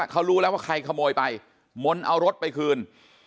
เขารู้แล้วว่าใครขโมยไปมนต์เอารถไปคืน